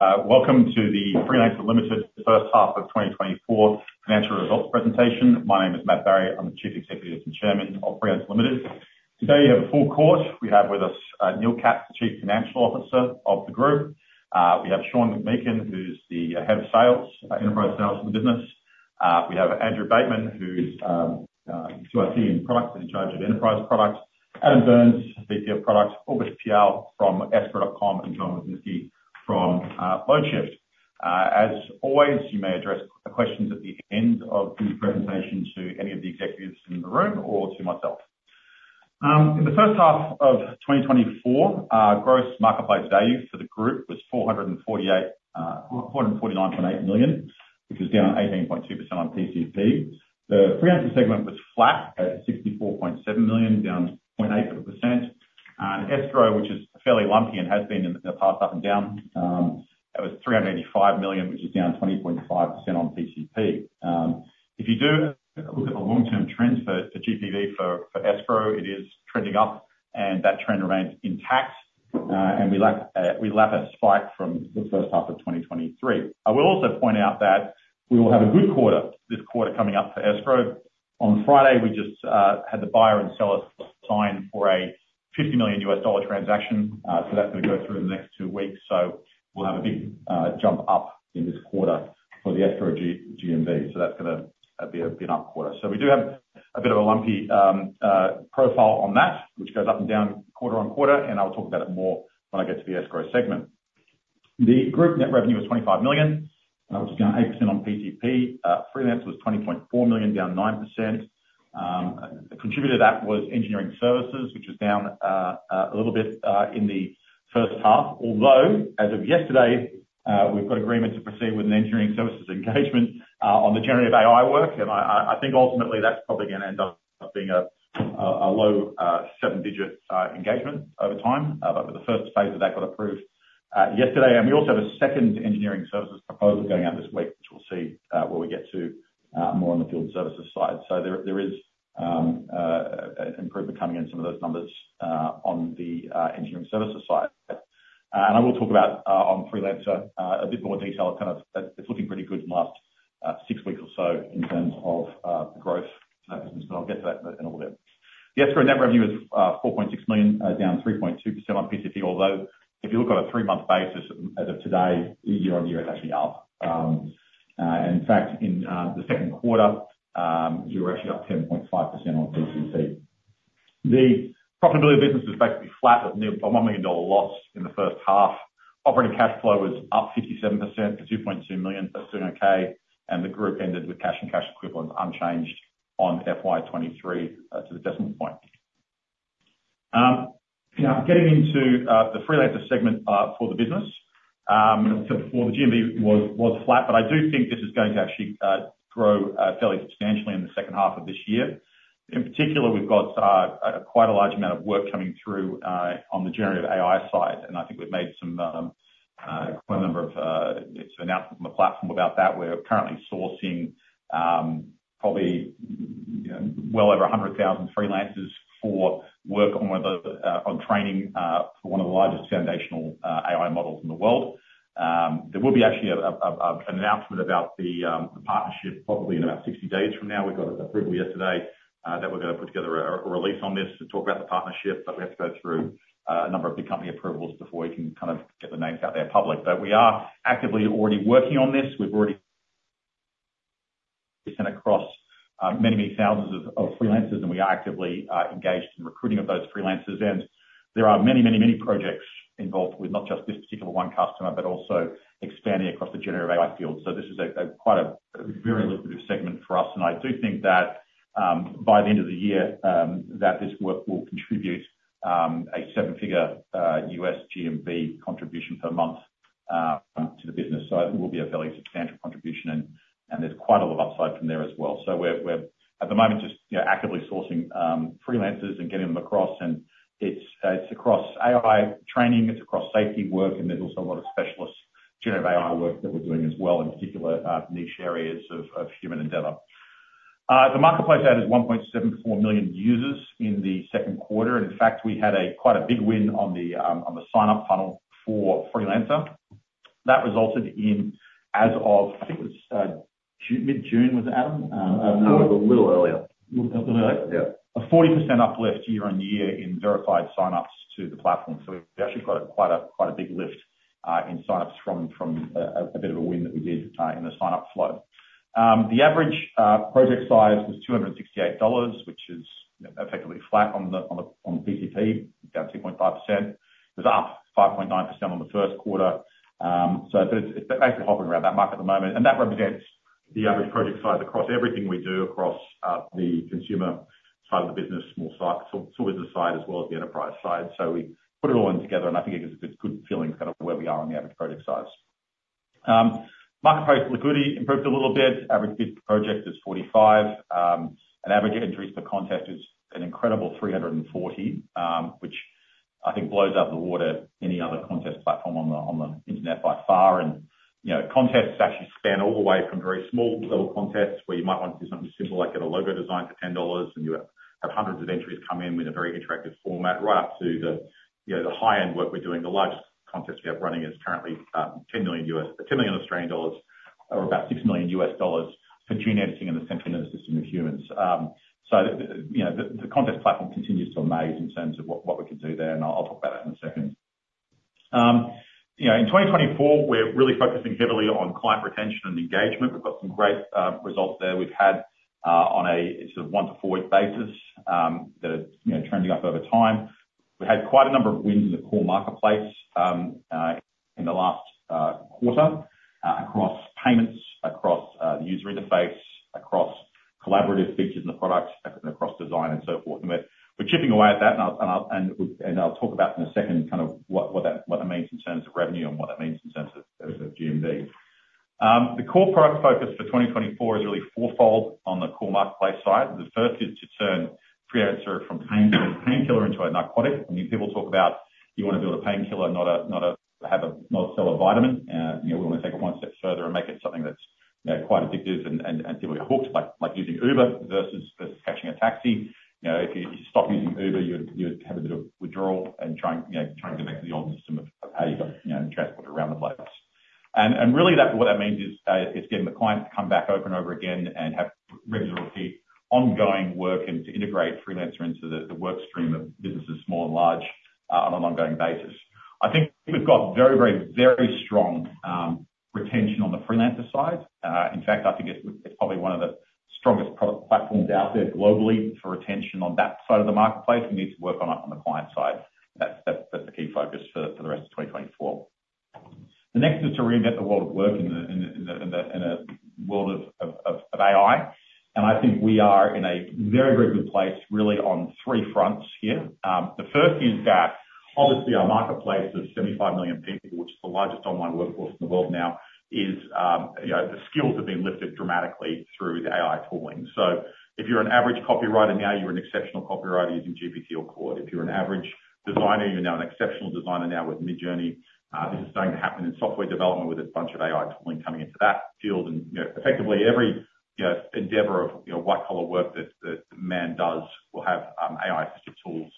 Welcome to the Freelancer Limited first half of 2024 financial results presentation. My name is Matt Barrie. I'm the Chief Executive and Chairman of Freelancer Limited. Today we have a full court. We have with us Neil Katz, Chief Financial Officer of the group. We have Shaun McMeeken, who's the Head of Sales, Enterprise Sales for the business. We have Andrew Bateman, who's 2IC and Products and in charge of Enterprise Products. Adam Byrnes, VP of Products, August Piao from Escrow.com, and Cohen Wisniewski from Loadshift. As always, you may address the questions at the end of the presentation to any of the executives in the room or to myself. In the first half of 2024, gross marketplace value for the group was 449.8 million, which was down 18.2% on PCP. The Freelancer segment was flat at 64.7 million, down 0.8%. Escrow, which is fairly lumpy and has been in the past up and down, that was $385 million, which is down 20.5% on PCP. If you do look at the long-term trends for GPV for Escrow, it is trending up, and that trend remains intact. We lack a spike from the first half of 2023. I will also point out that we will have a good quarter this quarter coming up for Escrow. On Friday, we just had the buyer and seller sign for a $50 million transaction. So that's going to go through the next two weeks. So we'll have a big jump up in this quarter for the Escrow GMV. So that's going to be a bit up quarter. So we do have a bit of a lumpy profile on that, which goes up and down quarter-on-quarter. I'll talk about it more when I get to the Escrow segment. The group net revenue was 25 million, which is down 8% on PCP. Freelancer was 20.4 million, down 9%. A contributor to that was engineering services, which was down a little bit in the first half. Although, as of yesterday, we've got agreement to proceed with an engineering services engagement on the generative AI work. And I think ultimately that's probably going to end up being a low seven-digit engagement over time. But the first phase of that got approved yesterday. And we also have a second engineering services proposal going out this week, which we'll see when we get to more on the field services side. So there is improvement coming in some of those numbers on the engineering services side. And I will talk about on Freelancer a bit more detail. It's looking pretty good in the last six weeks or so in terms of growth for that business. But I'll get to that in a little bit. The Escrow net revenue is 4.6 million, down 3.2% on PCP. Although if you look on a three-month basis as of today, year-over-year, it's actually up. And in fact, in the second quarter, you were actually up 10.5% on PCP. The profitability of business is basically flat at $1 million loss in the first half. Operating cash flow was up 57% to 2.2 million. That's doing okay. And the group ended with cash and cash equivalents unchanged on FY2023 to the decimal point. Getting into the Freelancer segment for the business, for the GMV was flat. But I do think this is going to actually grow fairly substantially in the second half of this year. In particular, we've got quite a large amount of work coming through on the generative AI side. I think we've made quite a number of announcements on the platform about that. We're currently sourcing probably well over 100,000 freelancers for work on training for one of the largest foundational AI models in the world. There will be actually an announcement about the partnership probably in about 60 days from now. We got an approval yesterday that we're going to put together a release on this to talk about the partnership. We have to go through a number of big company approvals before we can kind of get the names out there public. We are actively already working on this. We've already sent across many, many thousands of freelancers. We are actively engaged in recruiting of those freelancers. And there are many, many, many projects involved with not just this particular one customer, but also expanding across the generative AI field. So this is quite a very lucrative segment for us. And I do think that by the end of the year, this work will contribute a seven-figure U.S. GMV contribution per month to the business. So it will be a fairly substantial contribution. And there's quite a lot of upside from there as well. So we're at the moment just actively sourcing freelancers and getting them across. And it's across AI training. It's across safety work. And there's also a lot of specialist generative AI work that we're doing as well, in particular niche areas of human endeavor. The marketplace added 1.74 million users in the second quarter. And in fact, we had quite a big win on the sign-up funnel for Freelancer. That resulted in, as of, I think it was mid-June, was it, Adam? A little earlier. A little earlier? Yeah. A 40% uplift year-on-year in verified sign-ups to the platform. We actually got quite a big lift in sign-ups from a bit of a win that we did in the sign-up flow. The average project size was $268, which is effectively flat on PCP, down 2.5%. It was up 5.9% on the first quarter. It's basically hopping around that market at the moment. That represents the average project size across everything we do across the consumer side of the business, small size, small business side, as well as the enterprise side. We put it all in together. I think it gives a good feeling of kind of where we are on the average project size. Marketplace liquidity improved a little bit. Average bid per project is 45. Average entries per contest is an incredible 340, which I think blows out of the water any other contest platform on the internet by far. Contests actually span all the way from very small little contests where you might want to do something simple like get a logo designed for $10. You have hundreds of entries come in with a very interactive format, right up to the high-end work we're doing. The largest contest we have running is currently 10 million or about $6 million for gene editing and the central nervous system of humans. So the contest platform continues to amaze in terms of what we can do there. I'll talk about that in a second. In 2024, we're really focusing heavily on client retention and engagement. We've got some great results there. We've had on a sort of 1- to 4-week basis that are trending up over time. We had quite a number of wins in the core marketplace in the last quarter across payments, across the user interface, across collaborative features in the product, and across design and so forth. We're chipping away at that. And I'll talk about in a second kind of what that means in terms of revenue and what that means in terms of GMV. The core product focus for 2024 is really four-fold on the core marketplace side. The first is to turn Freelancer from painkiller into a narcotic. I mean, people talk about you want to build a painkiller, not sell a vitamin. We want to take it one step further and make it something that's quite addictive and people get hooked, like using Uber versus catching a taxi. If you stopped using Uber, you would have a bit of withdrawal and try and get back to the old system of how you got transport around the place. And really, what that means is it's getting the client to come back over and over again and have regular repeat ongoing work and to integrate Freelancer into the workstream of businesses, small and large, on an ongoing basis. I think we've got very, very, very strong retention on the Freelancer side. In fact, I think it's probably one of the strongest product platforms out there globally for retention on that side of the marketplace. We need to work on it on the client side. That's the key focus for the rest of 2024. The next is to reinvent the world of work in the world of AI. I think we are in a very, very good place, really, on three fronts here. The first is that obviously our marketplace of 75 million people, which is the largest online workforce in the world now, the skills have been lifted dramatically through the AI tooling. So if you're an average copywriter now, you're an exceptional copywriter using GPT or Claude. If you're an average designer, you're now an exceptional designer now with Midjourney. This is starting to happen in software development with a bunch of AI tooling coming into that field. And effectively, every endeavor of white-collar work that man does will have AI-assisted tools.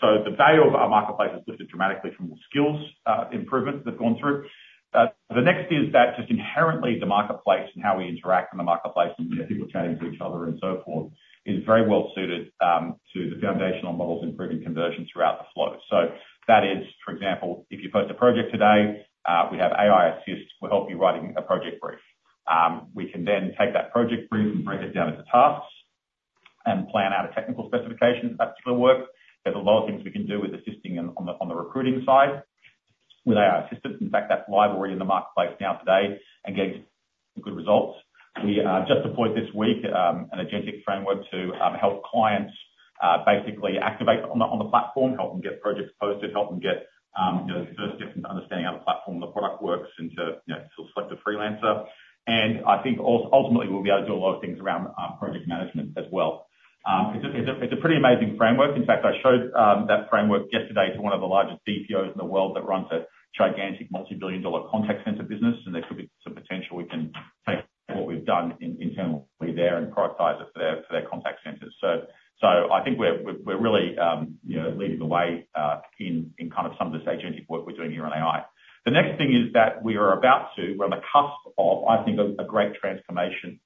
So the value of our marketplace has lifted dramatically from the skills improvement that they've gone through. The next is that just inherently, the marketplace and how we interact in the marketplace and people chatting to each other and so forth is very well suited to the foundational models improving conversion throughout the flow. So that is, for example, if you post a project today, we have AI assist will help you write a project brief. We can then take that project brief and break it down into tasks and plan out a technical specification for that particular work. There's a lot of things we can do with assisting on the recruiting side with AI assistants. In fact, that's library in the marketplace now today and getting good results. We just deployed this week an agentic framework to help clients basically activate on the platform, help them get projects posted, help them get the first steps into understanding how the platform and the product works into selecting a freelancer. I think ultimately we'll be able to do a lot of things around project management as well. It's a pretty amazing framework. In fact, I showed that framework yesterday to one of the largest BPOs in the world that runs a gigantic multi-billion dollar contact center business. There could be some potential we can take what we've done internally there and prioritize it for their contact centers. So I think we're really leading the way in kind of some of this agentic work we're doing here on AI. The next thing is that we are about to, we're on the cusp of, I think, a great transformation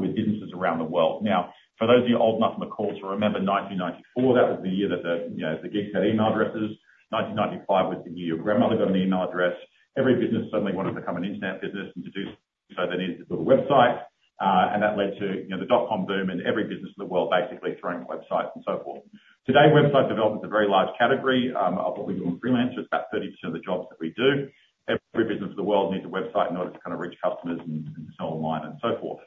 with businesses around the world. Now, for those of you old enough in the call to remember 1994, that was the year that the geeks had email addresses. 1995 was the year your grandmother got an email address. Every business suddenly wanted to become an internet business and to do so, they needed to build a website. And that led to the dot-com boom and every business in the world basically throwing websites and so forth. Today, website development is a very large category of what we do in freelance. It's about 30% of the jobs that we do. Every business in the world needs a website in order to kind of reach customers and sell online and so forth.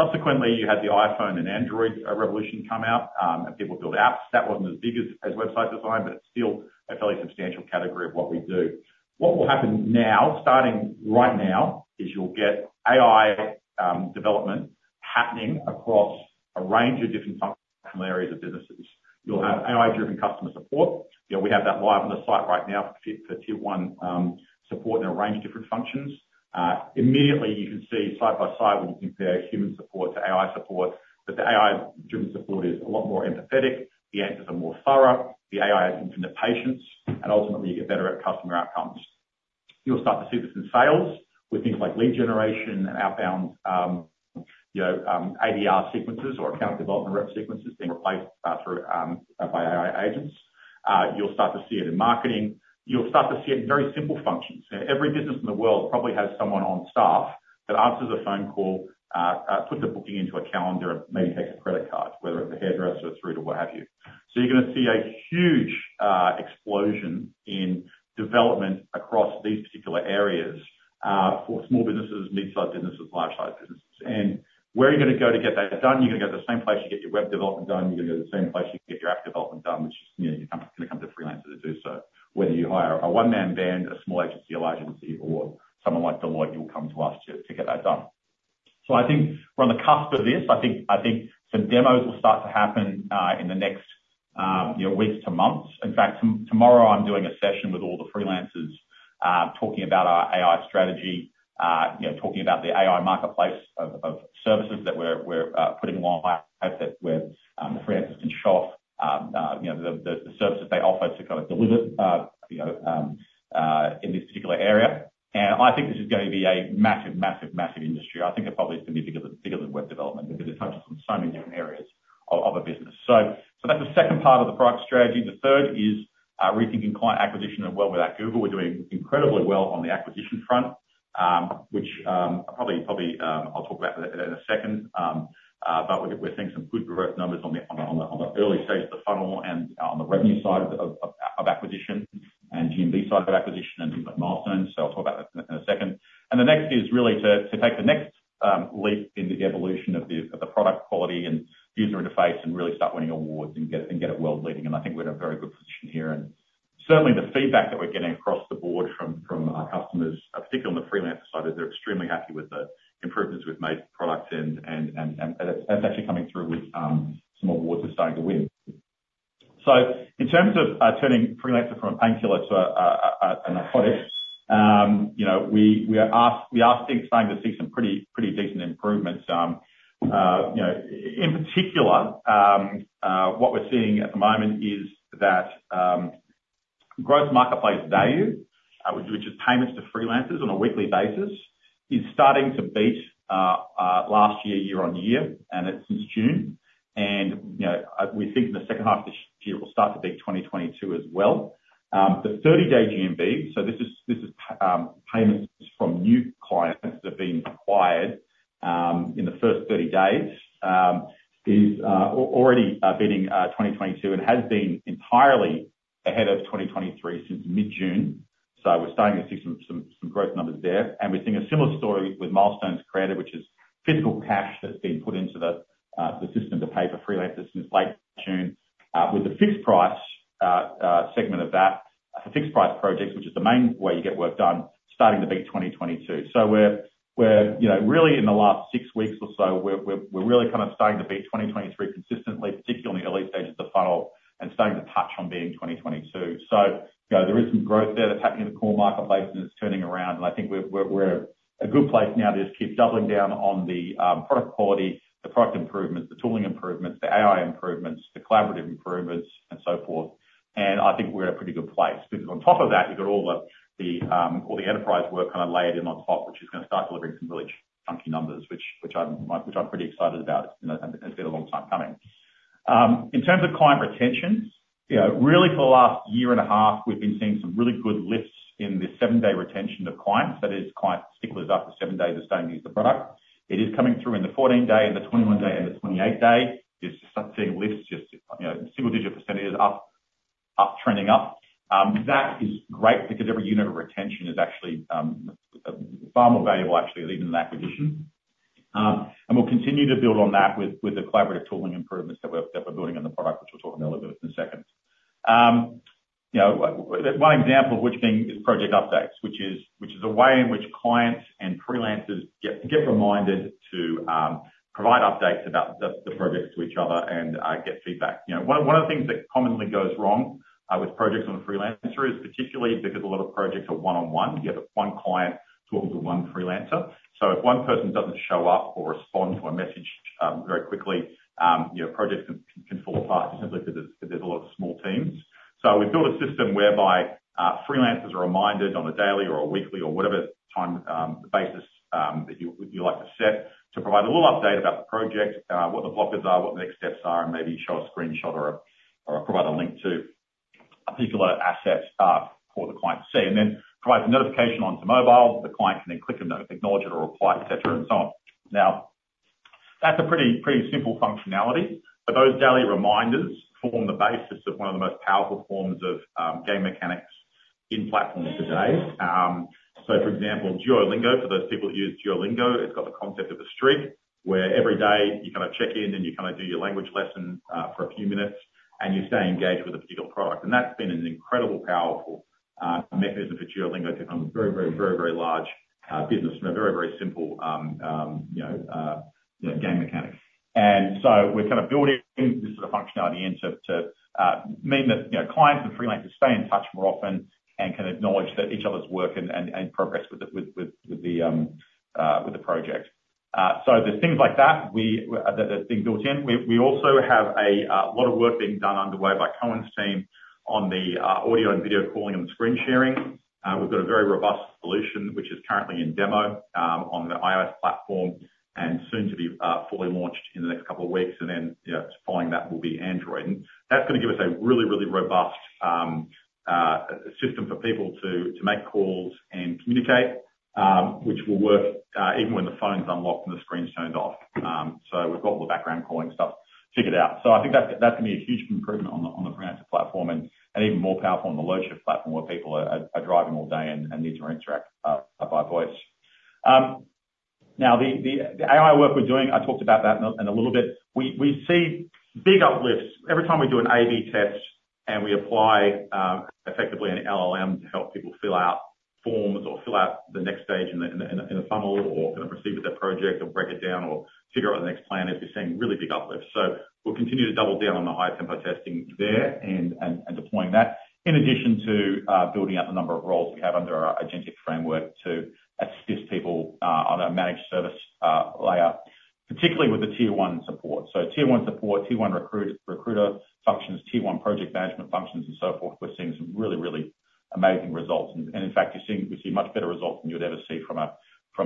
Subsequently, you had the iPhone and Android revolution come out and people built apps. That wasn't as big as website design, but it's still a fairly substantial category of what we do. What will happen now, starting right now, is you'll get AI development happening across a range of different functional areas of businesses. You'll have AI-driven customer support. We have that live on the site right now for tier one support in a range of different functions. Immediately, you can see side by side when you compare human support to AI support, that the AI-driven support is a lot more empathetic. The answers are more thorough. The AI has infinite patience. And ultimately, you get better at customer outcomes. You'll start to see this in sales with things like lead generation and outbound ADR sequences or account development rep sequences being replaced by AI agents. You'll start to see it in marketing. You'll start to see it in very simple functions. Every business in the world probably has someone on staff that answers a phone call, puts a booking into a calendar, and maybe takes a credit card, whether it's a hairdresser or a fruit or what have you. So you're going to see a huge explosion in development across these particular areas for small businesses, mid-sized businesses, large-sized businesses. And where are you going to go to get that done? You're going to go to the same place you get your web development done. You're going to go to the same place you get your app development done, which is going to come to freelancers to do so. Whether you hire a one-man band, a small agency, a large agency, or someone like Deloitte, you'll come to us to get that done. So I think we're on the cusp of this. I think some demos will start to happen in the next weeks to months. In fact, tomorrow I'm doing a session with all the freelancers talking about our AI strategy, talking about the AI marketplace of services that we're putting live that the freelancers can show off, the services they offer to kind of deliver in this particular area. And I think this is going to be a massive, massive, massive industry. I think it probably is going to be bigger than web development because it touches on so many different areas of a business. So that's the second part of the product strategy. The third is rethinking client acquisition and well with Google. We're doing incredibly well on the acquisition front, which probably I'll talk about in a second. We're seeing some good growth numbers on the early stage of the funnel and on the revenue side of acquisition and GMV side of acquisition and milestones. I'll talk about that in a second. The next is really to take the next leap in the evolution of the product quality and user interface and really start winning awards and get it world-leading. I think we're in a very good position here. Certainly, the feedback that we're getting across the board from our customers, particularly on the Freelancer side, is they're extremely happy with the improvements we've made to products. That's actually coming through with some awards we're starting to win. In terms of turning Freelancer from a painkiller to a narcotic, we are starting to see some pretty decent improvements. In particular, what we're seeing at the moment is that gross marketplace value, which is payments to freelancers on a weekly basis, is starting to beat last year, year-over-year, and since June. We think in the second half of this year, it will start to beat 2022 as well. The 30-day GMV, so this is payments from new clients that have been acquired in the first 30 days, is already beating 2022 and has been entirely ahead of 2023 since mid-June. We're starting to see some growth numbers there. We're seeing a similar story with milestones created, which is physical cash that's been put into the system to pay for freelancers since late June, with the fixed price segment of that for fixed price projects, which is the main way you get work done, starting to beat 2022. So we're really in the last six weeks or so, we're really kind of starting to beat 2023 consistently, particularly in the early stages of the funnel, and starting to touch on being 2022. So there is some growth there that's happening in the core marketplace, and it's turning around. And I think we're at a good place now to just keep doubling down on the product quality, the product improvements, the tooling improvements, the AI improvements, the collaborative improvements, and so forth. And I think we're at a pretty good place because on top of that, you've got all the enterprise work kind of layered in on top, which is going to start delivering some really chunky numbers, which I'm pretty excited about. It's been a long time coming. In terms of client retention, really for the last year and a half, we've been seeing some really good lifts in the 7-day retention of clients. That is, client stickiness after 7 days of starting to use the product. It is coming through in the 14-day, in the 21-day, and the 28-day. You're starting to see lifts, just single-digit percentages up, trending up. That is great because every unit of retention is actually far more valuable, actually, than even an acquisition. And we'll continue to build on that with the collaborative tooling improvements that we're building in the product, which we'll talk about a little bit in a second. One example of which being project updates, which is a way in which clients and freelancers get reminded to provide updates about the projects to each other and get feedback. One of the things that commonly goes wrong with projects on Freelancer is particularly because a lot of projects are one-on-one. You have one client talking to one Freelancer. So if one person doesn't show up or respond to a message very quickly, projects can fall apart simply because there's a lot of small teams. So we've built a system whereby freelancers are reminded on a daily or a weekly or whatever time basis that you like to set to provide a little update about the project, what the blockers are, what the next steps are, and maybe show a screenshot or provide a link to a particular asset for the client to see. And then provide a notification onto mobile. The client can then click a note, acknowledge it, or reply, etc. and so on. Now, that's a pretty simple functionality, but those daily reminders form the basis of one of the most powerful forms of game mechanics in platforms today. So for example, Duolingo, for those people that use Duolingo, it's got the concept of a streak where every day you kind of check in and you kind of do your language lesson for a few minutes, and you stay engaged with a particular product. And that's been an incredibly powerful mechanism for Duolingo to become a very, very, very, very large business from a very, very simple game mechanic. And so we're kind of building this sort of functionality in to mean that clients and freelancers stay in touch more often and can acknowledge each other's work and progress with the project. So there's things like that that have been built in. We also have a lot of work being done underway by Cohen's team on the audio and video calling and screen sharing. We've got a very robust solution, which is currently in demo on the iOS platform and soon to be fully launched in the next couple of weeks. And then following that will be Android. And that's going to give us a really, really robust system for people to make calls and communicate, which will work even when the phone's unlocked and the screen's turned off. So we've got all the background calling stuff figured out. So I think that's going to be a huge improvement on the Freelancer platform and even more powerful on the Loadshift platform where people are driving all day and need to interact by voice. Now, the AI work we're doing, I talked about that in a little bit. We see big uplifts. Every time we do an A/B test and we apply effectively an LLM to help people fill out forms or fill out the next stage in the funnel or kind of proceed with their project or break it down or figure out the next plan, we're seeing really big uplifts. So we'll continue to double down on the higher tempo testing there and deploying that, in addition to building out the number of roles we have under our agentic framework to assist people on a managed service layer, particularly with the tier one support. So tier one support, tier one recruiter functions, tier one project management functions, and so forth. We're seeing some really, really amazing results. And in fact, we see much better results than you'd ever see from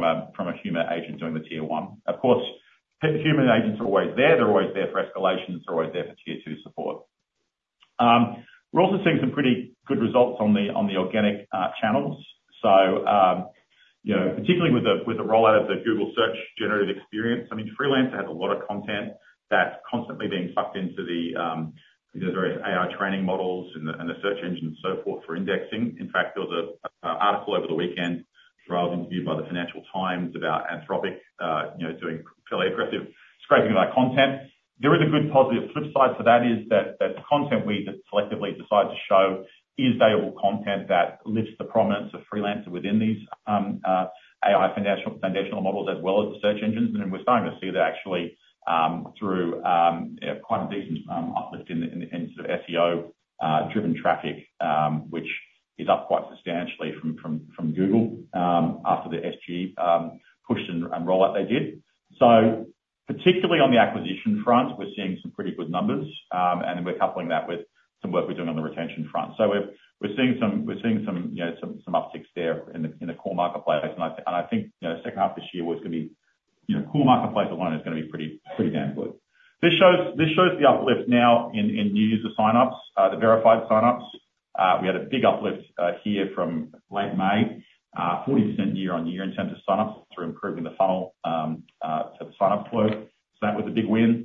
a human agent doing the tier one. Of course, human agents are always there. They're always there for escalations. They're always there for tier two support. We're also seeing some pretty good results on the organic channels. So particularly with the rollout of the Google Search Generative Experience, I mean, Freelancer has a lot of content that's constantly being sucked into the various AI training models and the search engine and so forth for indexing. In fact, there was an article over the weekend, which I was interviewed by the Financial Times about Anthropic doing fairly aggressive scraping of our content. There is a good positive flip side to that is that the content we selectively decide to show is valuable content that lifts the prominence of Freelancer within these AI foundational models as well as the search engines. And then we're starting to see that actually through quite a decent uplift in sort of SEO-driven traffic, which is up quite substantially from Google after the SGE push and rollout they did. So particularly on the acquisition front, we're seeing some pretty good numbers, and we're coupling that with some work we're doing on the retention front. So we're seeing some upticks there in the core marketplace. And I think the second half of this year is going to be core marketplace alone is going to be pretty damn good. This shows the uplift now in new user sign-ups, the verified sign-ups. We had a big uplift here from late May, 40% year-over-year in terms of sign-ups through improving the funnel to the sign-up flow. So that was a big win.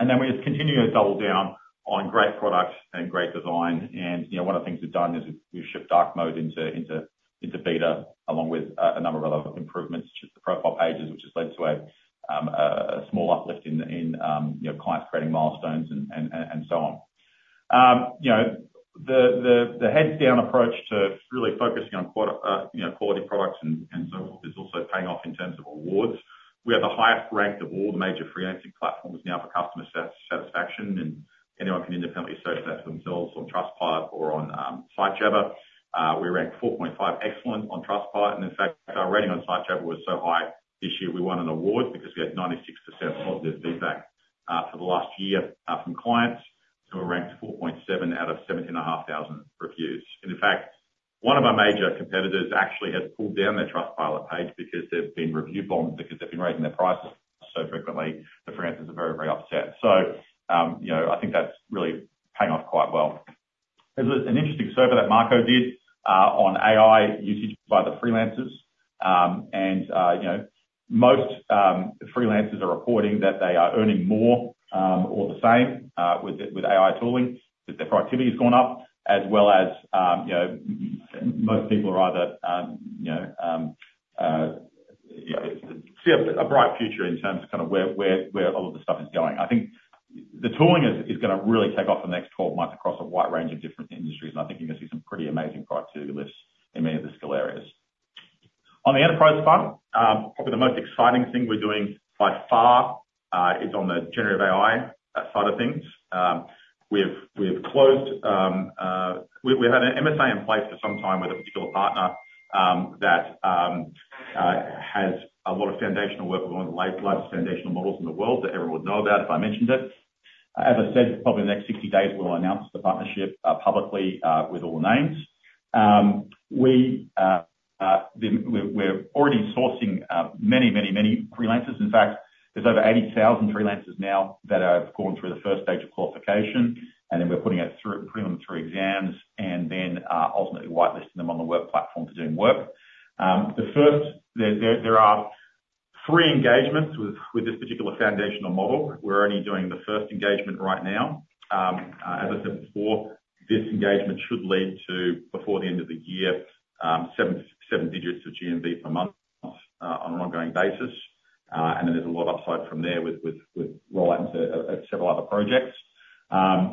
And then we just continue to double down on great product and great design. One of the things we've done is we've shipped dark mode into beta along with a number of other improvements, which is the profile pages, which has led to a small uplift in clients creating milestones and so on. The heads-down approach to really focusing on quality products and so forth is also paying off in terms of awards. We have the highest ranked of all the major freelancing platforms now for customer satisfaction, and anyone can independently search that for themselves on Trustpilot or on Sitejabber. We ranked 4.5 excellent on Trustpilot. In fact, our rating on Sitejabber was so high this year, we won an award because we had 96% positive feedback for the last year from clients. We ranked 4.7 out of 17,500 reviews. In fact, one of our major competitors actually has pulled down their Trustpilot page because they've been review bombed because they've been raising their prices so frequently. The freelancers are very, very upset. So I think that's really paying off quite well. There's an interesting survey that Marco did on AI usage by the freelancers. Most freelancers are reporting that they are earning more or the same with AI tooling because their productivity has gone up, as well as most people are either see a bright future in terms of kind of where all of the stuff is going. I think the tooling is going to really take off in the next 12 months across a wide range of different industries. I think you're going to see some pretty amazing productivity lifts in many of the skill areas. On the enterprise front, probably the most exciting thing we're doing by far is on the generative AI side of things. We've had an MSA in place for some time with a particular partner that has a lot of foundational work with one of the largest foundational models in the world that everyone would know about if I mentioned it. As I said, probably in the next 60 days, we'll announce the partnership publicly with all names. We're already sourcing many, many, many freelancers. In fact, there's over 80,000 freelancers now that have gone through the first stage of qualification. And then we're putting them through exams and then ultimately whitelisting them on the web platform to do work. There are three engagements with this particular foundational model. We're only doing the first engagement right now. As I said before, this engagement should lead to, before the end of the year, 7 digits of GMV per month on an ongoing basis. And then there's a lot of upside from there with rollout into several other projects.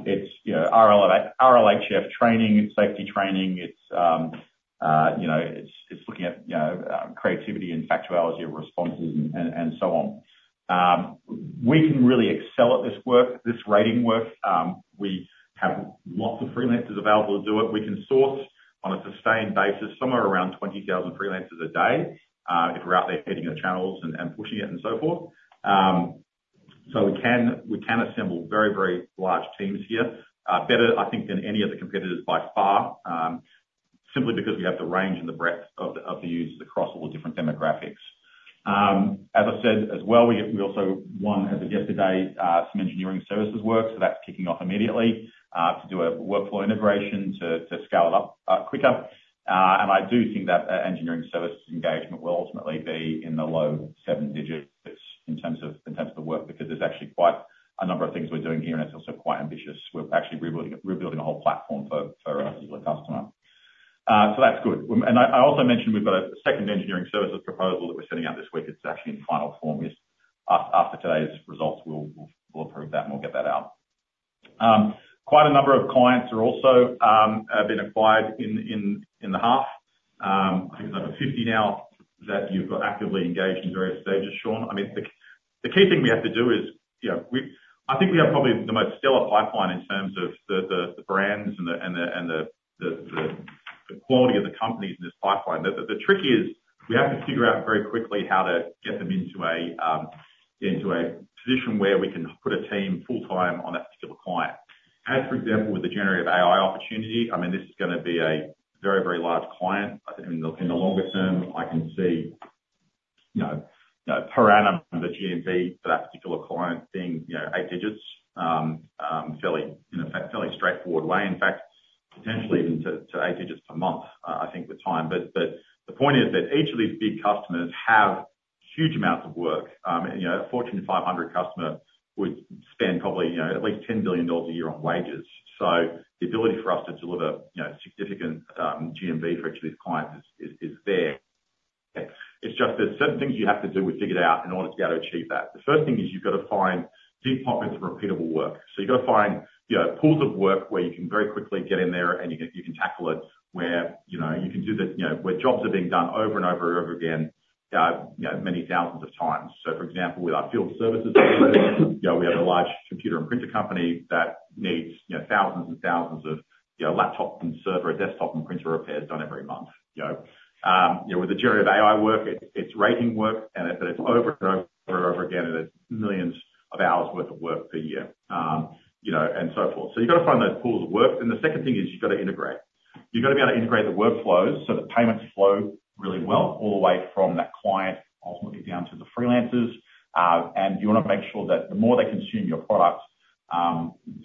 It's RLHF training, safety training. It's looking at creativity and factuality of responses and so on. We can really excel at this work, this rating work. We have lots of freelancers available to do it. We can source on a sustained basis, somewhere around 20,000 freelancers a day if we're out there hitting the channels and pushing it and so forth. So we can assemble very, very large teams here, better, I think, than any of the competitors by far, simply because we have the range and the breadth of the users across all the different demographics. As I said as well, we also won, as of yesterday, some engineering services work. So that's kicking off immediately to do a workflow integration to scale it up quicker. And I do think that engineering services engagement will ultimately be in the low seven digits in terms of the work because there's actually quite a number of things we're doing here, and it's also quite ambitious. We're actually rebuilding a whole platform for a particular customer. So that's good. And I also mentioned we've got a second engineering services proposal that we're sending out this week. It's actually in final form. After today's results, we'll approve that and we'll get that out. Quite a number of clients have also been acquired in the half. I think it's over 50 now that you've got actively engaged in various stages, Sean. I mean, the key thing we have to do is I think we have probably the most stellar pipeline in terms of the brands and the quality of the companies in this pipeline. The trick is we have to figure out very quickly how to get them into a position where we can put a team full-time on that particular client. As for example, with the generative AI opportunity, I mean, this is going to be a very, very large client. In the longer term, I can see per annum the GMV for that particular client being eight digits in a fairly straightforward way. In fact, potentially even to eight digits per month, I think, with time. But the point is that each of these big customers have huge amounts of work. A Fortune 500 customer would spend probably at least $10 billion a year on wages. So the ability for us to deliver significant GMV for each of these clients is there. It's just there's certain things you have to do to figure it out in order to be able to achieve that. The first thing is you've got to find deep pockets of repeatable work. So you've got to find pools of work where you can very quickly get in there and you can tackle it, where you can do this where jobs are being done over and over and over again many thousands of times. So, for example, with our field services, we have a large computer and printer company that needs thousands and thousands of laptop and server and desktop and printer repairs done every month. With the generative AI work, it's rating work, and it's over and over and over again, and it's millions of hours' worth of work per year and so forth. You've got to find those pools of work. The second thing is you've got to integrate. You've got to be able to integrate the workflows so the payments flow really well all the way from that client ultimately down to thefreelancers. You want to make sure that the more they consume your product,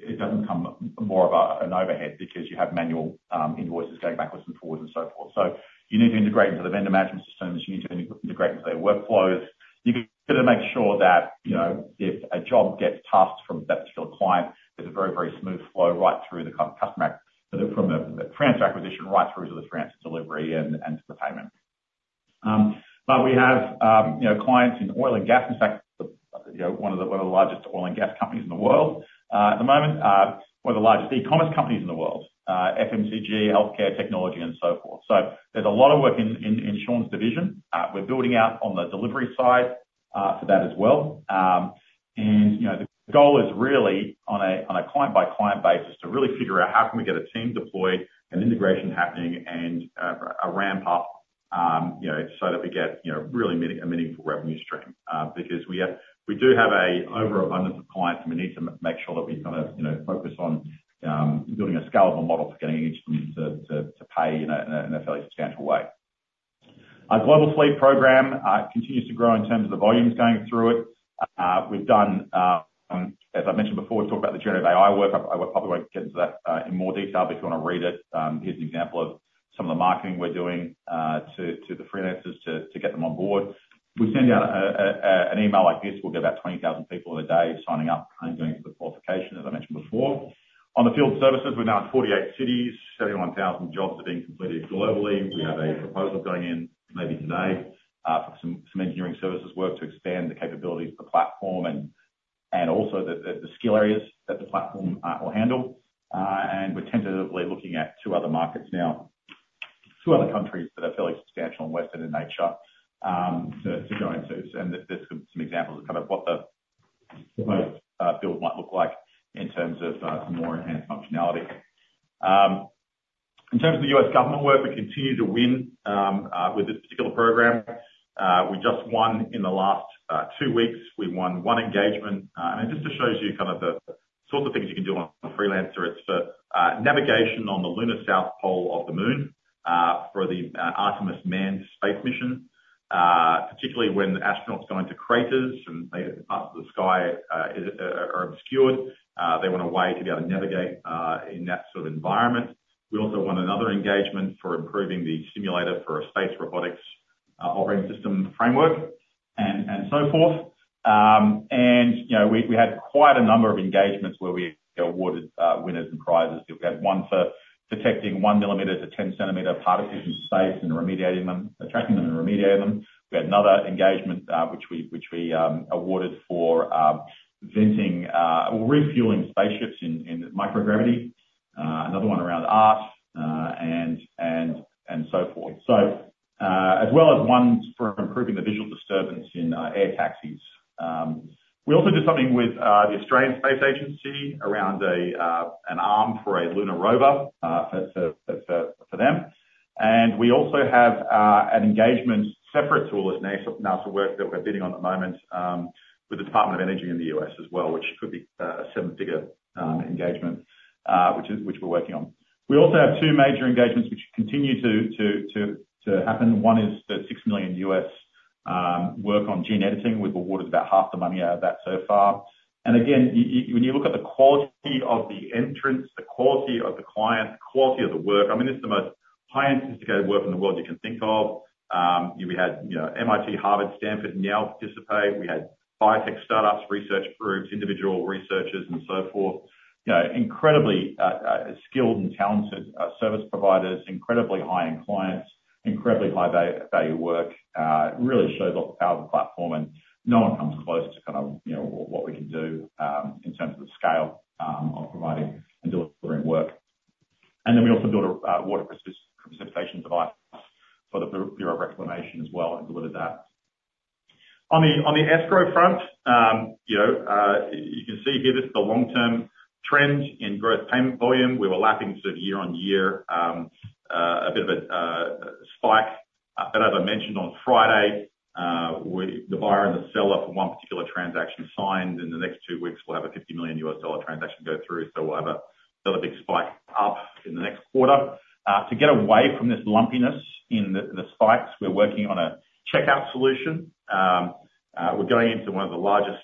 it doesn't become more of an overhead because you have manual invoices going backwards and forwards and so forth. You need to integrate into the vendor management systems. You need to integrate into their workflows. You've got to make sure that if a job gets tasked from that particular client, there's a very, very smooth flow right through the customer acquisition, right through to the Freelancer delivery and to the payment. But we have clients in oil and gas. In fact, one of the largest oil and gas companies in the world at the moment, one of the largest e-commerce companies in the world, FMCG, healthcare, technology, and so forth. So there's a lot of work in Sean's division. We're building out on the delivery side for that as well. The goal is really on a client-by-client basis to really figure out how can we get a team deployed, an integration happening, and a ramp up so that we get really a meaningful revenue stream because we do have an overabundance of clients, and we need to make sure that we kind of focus on building a scalable model for getting each of them to pay in a fairly substantial way. Our Global Fleet program continues to grow in terms of the volumes going through it. We've done, as I mentioned before, we've talked about the generative AI work. I probably won't get into that in more detail. But if you want to read it, here's an example of some of the marketing we're doing to the freelancers to get them on board. We send out an email like this. We'll get about 20,000 people in a day signing up and going through the qualification, as I mentioned before. On the field services, we're now in 48 cities. 71,000 jobs are being completed globally. We have a proposal going in maybe today for some engineering services work to expand the capabilities of the platform and also the skill areas that the platform will handle. We're tentatively looking at 2 other markets now, 2 other countries that are fairly substantial and Western in nature to go into. There's some examples of kind of what the field might look like in terms of more enhanced functionality. In terms of the U.S. government work, we continue to win with this particular program. We just won in the last 2 weeks. We won 1 engagement. It just shows you kind of the sorts of things you can do on a Freelancer. It's for navigation on the Lunar South Pole of the moon for the Artemis manned space mission, particularly when the astronauts go into craters and parts of the sky are obscured. They want a way to be able to navigate in that sort of environment. We also won another engagement for improving the simulator for a space robotics operating system framework and so forth. And we had quite a number of engagements where we awarded winners and prizes. We had one for detecting 1 mm-10 cm particles in space and tracking them and remediating them. We had another engagement which we awarded for refueling spaceships in microgravity. Another one around art and so forth. So, as well as ones for improving the visual disturbance in air taxis. We also did something with the Australian Space Agency around an arm for a lunar rover for them. We also have an engagement separate to all this NASA work that we're bidding on at the moment with the Department of Energy in the U.S. as well, which could be a seven-figure engagement, which we're working on. We also have two major engagements which continue to happen. One is the $6 million work on gene editing with awarded about half the money out of that so far. And again, when you look at the quality of the entrants, the quality of the client, the quality of the work, I mean, it's the most high-intensity work in the world you can think of. We had MIT, Harvard, Stanford, Yale participate. We had biotech startups, research groups, individual researchers, and so forth. Incredibly skilled and talented service providers, incredibly high-end clients, incredibly high-value work. It really shows off the power of the platform. No one comes close to kind of what we can do in terms of the scale of providing and delivering work. Then we also built a water precipitation device for the Bureau of Reclamation as well and delivered that. On the Escrow front, you can see here this is the long-term trend in growth payment volume. We were lapping sort of year-on-year, a bit of a spike. But as I mentioned on Friday, the buyer and the seller for one particular transaction signed. In the next two weeks, we'll have a $50 million transaction go through. So we'll have another big spike up in the next quarter. To get away from this lumpiness in the spikes, we're working on a checkout solution. We're going into one of the largest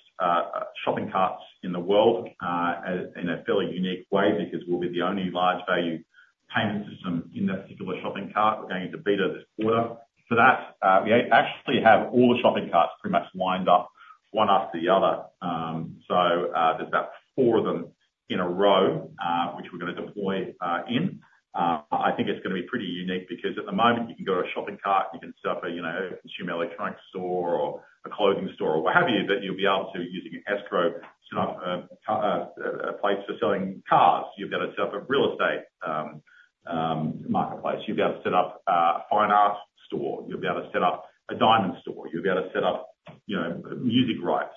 shopping carts in the world in a fairly unique way because we'll be the only large-value payment system in that particular shopping cart. We're going into beta this quarter. For that, we actually have all the shopping carts pretty much lined up one after the other. So there's about four of them in a row, which we're going to deploy in. I think it's going to be pretty unique because at the moment, you can go to a shopping cart. You can set up a consumer electronics store or a clothing store or what have you, but you'll be able to, using Escrow, set up a place for selling cars. You've got to set up a real estate marketplace. You've got to set up a fine art store. You'll be able to set up a diamond store. You'll be able to set up music rights,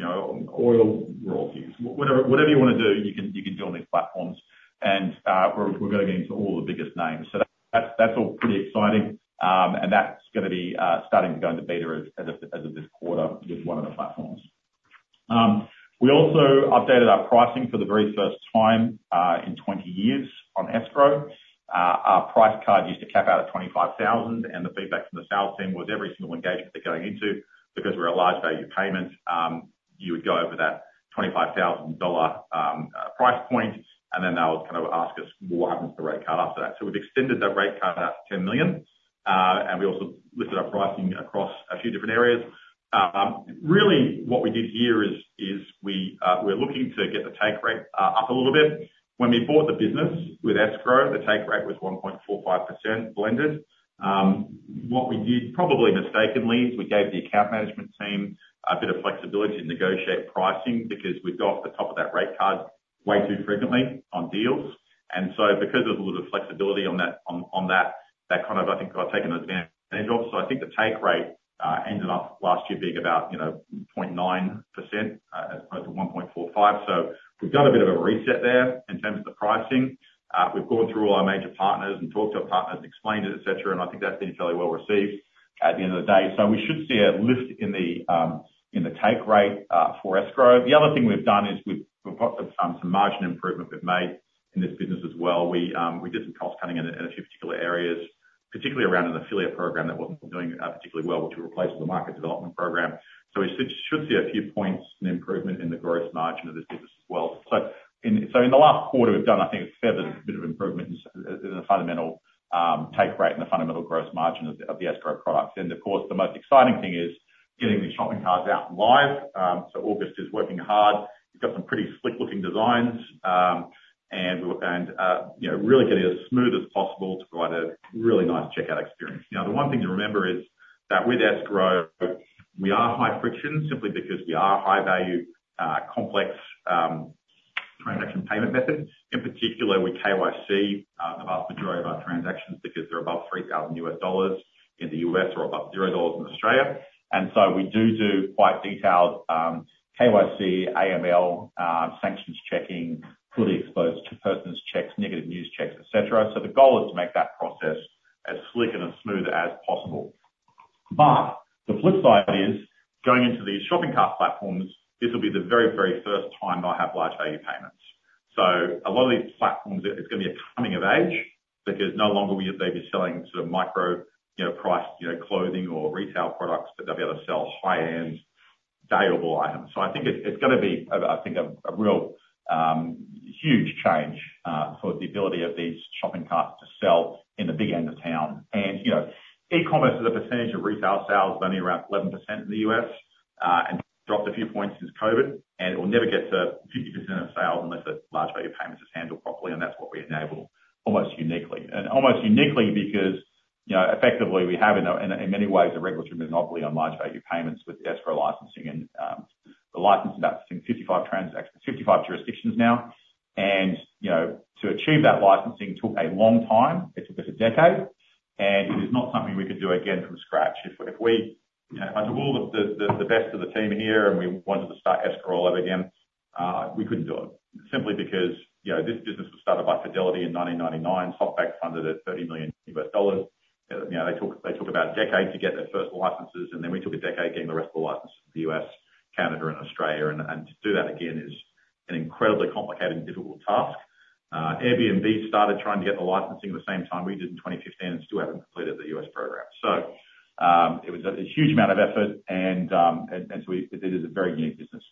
oil royalties. Whatever you want to do, you can do on these platforms. We're going to get into all the biggest names. That's all pretty exciting. That's going to be starting to go into beta as of this quarter with one of the platforms. We also updated our pricing for the very first time in 20 years on Escrow. Our price card used to cap out at 25,000. The feedback from the sales team was every single engagement they're going into because we're a large-value payment, you would go over that $25,000 price point. Then they'll kind of ask us, "Well, what happens to the rate card after that?" We've extended that rate card out to $10 million. We also listed our pricing across a few different areas. Really, what we did here is we're looking to get the take rate up a little bit. When we bought the business with Escrow, the take rate was 1.45% blended. What we did, probably mistakenly, is we gave the account management team a bit of flexibility to negotiate pricing because we've got the top of that rate card way too frequently on deals. And so because there's a little bit of flexibility on that, that kind of, I think, got taken advantage of. So I think the take rate ended up last year being about 0.9% as opposed to 1.45%. So we've done a bit of a reset there in terms of the pricing. We've gone through all our major partners and talked to our partners and explained it, etc. And I think that's been fairly well received at the end of the day. We should see a lift in the take rate for Escrow.com. The other thing we've done is we've got some margin improvement we've made in this business as well. We did some cost cutting in a few particular areas, particularly around an affiliate program that wasn't doing particularly well, which we replaced with a market development program. We should see a few points in improvement in the gross margin of this business as well. In the last quarter, we've done, I think, a fair bit of improvement in the fundamental take rate and the fundamental gross margin of the Escrow.com products. Of course, the most exciting thing is getting the shopping carts out live. August is working hard. We've got some pretty slick-looking designs and really getting it as smooth as possible to provide a really nice checkout experience. Now, the one thing to remember is that with Escrow, we are high friction simply because we are high-value complex transaction payment methods. In particular, we KYC the vast majority of our transactions because they're above $3,000 in the US or above 0 dollars in Australia. And so we do do quite detailed KYC, AML, sanctions checking, politically exposed persons checks, negative news checks, etc. So the goal is to make that process as slick and as smooth as possible. But the flip side is going into these shopping cart platforms, this will be the very, very first time they'll have large-value payments. So a lot of these platforms, it's going to be a coming of age because no longer will they be selling sort of micro-priced clothing or retail products, but they'll be able to sell high-end, valuable items. I think it's going to be, I think, a real huge change for the ability of these shopping carts to sell in the big end of town. E-commerce is a percentage of retail sales, but only around 11% in the U.S. and dropped a few points since COVID. It will never get to 50% of sales unless a large-value payment is handled properly. That's what we enable almost uniquely. Almost uniquely because effectively, we have in many ways a regulatory monopoly on large-value payments with Escrow licensing and the licensing that's in 55 jurisdictions now. To achieve that licensing took a long time. It took us a decade. It is not something we could do again from scratch. If we had all of the best of the team here and we wanted to start Escrow all over again, we couldn't do it simply because this business was started by Fidelity in 1999, stock-backed funded at $30 million. They took about a decade to get their first licenses. Then we took a decade getting the rest of the licenses in the U.S., Canada, and Australia. To do that again is an incredibly complicated and difficult task. Airbnb started trying to get the licensing at the same time we did in 2015 and still haven't completed the U.S. program. It was a huge amount of effort. It is a very unique business.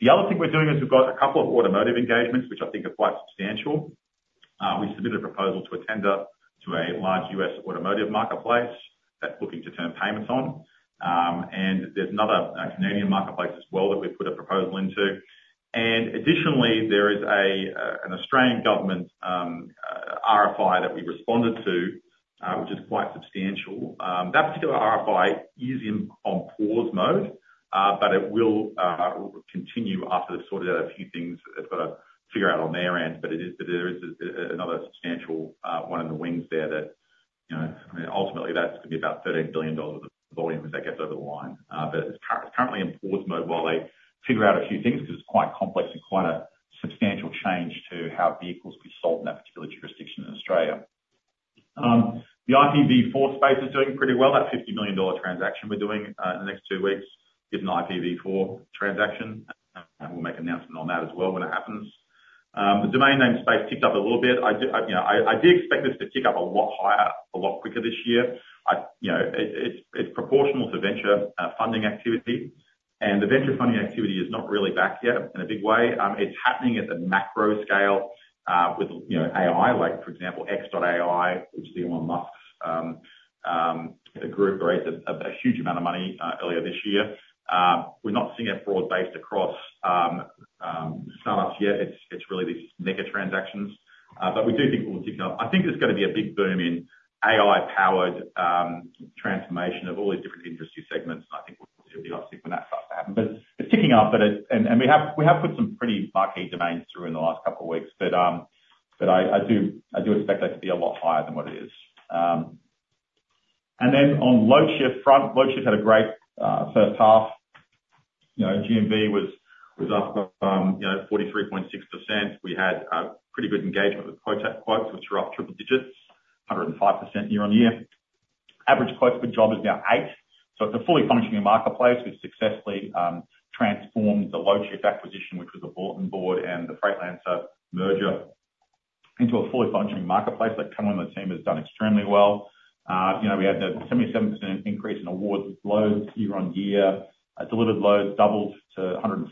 The other thing we're doing is we've got a couple of automotive engagements, which I think are quite substantial. We submitted a proposal to a tender to a large U.S. automotive marketplace that's looking to turn payments on. There's another Canadian marketplace as well that we've put a proposal into. Additionally, there is an Australian government RFI that we responded to, which is quite substantial. That particular RFI is on pause mode, but it will continue after they've sorted out a few things they've got to figure out on their end. There is another substantial one in the wings there that ultimately that's going to be about 13 billion dollars of volume if that gets over the line. It's currently in pause mode while they figure out a few things because it's quite complex and quite a substantial change to how vehicles could be sold in that particular jurisdiction in Australia. The IPv4 space is doing pretty well. That $50 million transaction we're doing in the next two weeks is an IPv4 transaction. We'll make an announcement on that as well when it happens. The domain name space ticked up a little bit. I did expect this to tick up a lot higher, a lot quicker this year. It's proportional to venture funding activity. The venture funding activity is not really back yet in a big way. It's happening at a macro scale with AI, like for example, xAI, which is Elon Musk's group, raised a huge amount of money earlier this year. We're not seeing it broad-based across startups yet. It's really these mega transactions. But we do think we'll tick up. I think there's going to be a big boom in AI-powered transformation of all these different industry segments. I think we'll be upset when that starts to happen. It's ticking up. We have put some pretty marquee domains through in the last couple of weeks. But I do expect that to be a lot higher than what it is. Then on the Loadshift front, Loadshift had a great first half. GMV was up 43.6%. We had pretty good engagement with quotes, which were up triple digits, 105% year-on-year. Average quotes per job is now eight. So it's a fully functioning marketplace. We've successfully transformed the Loadshift acquisition, which was the bulletin board and the Freightlancer merger, into a fully functioning marketplace that Cohen and the team have done extremely well. We had a 77% increase in award loads year-on-year. Delivered loads doubled to 105%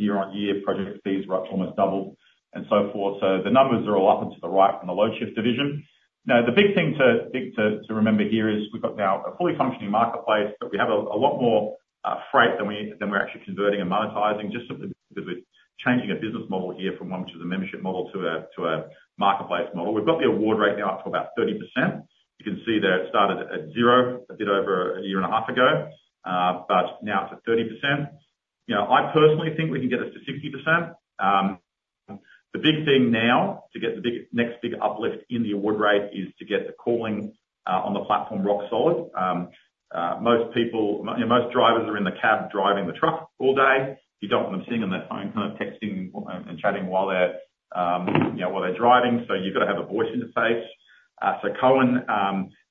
year-on-year. Project fees were up almost doubled and so forth. So the numbers are all up and to the right on the Loadshift division. Now, the big thing to remember here is we've got now a fully functioning marketplace, but we have a lot more freight than we're actually converting and monetizing just because we're changing a business model here from one, which is a membership model, to a marketplace model. We've got the award rate now up to about 30%. You can see that it started at 0 a bit over a year and a half ago, but now it's at 30%. I personally think we can get us to 60%. The big thing now to get the next big uplift in the award rate is to get the calling on the platform rock solid. Most drivers are in the cab driving the truck all day. You don't want them sitting on their phone kind of texting and chatting while they're driving. So you've got to have a voice interface. Cohen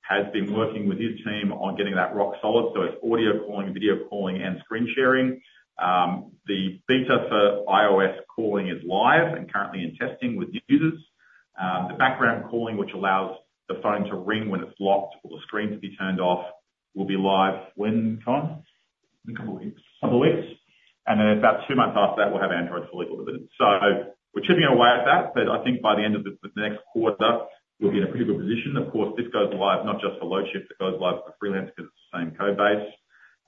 has been working with his team on getting that rock solid. It's audio calling, video calling, and screen sharing. The beta for iOS calling is live and currently in testing with users. The background calling, which allows the phone to ring when it's locked or the screen to be turned off, will be live when? Couple of weeks. Couple of weeks. And then about two months after that, we'll have Android fully delivered. So we're chipping away at that. But I think by the end of the next quarter, we'll be in a pretty good position. Of course, this goes live not just for Loadshift. It goes live for Freelancer because it's the same code base.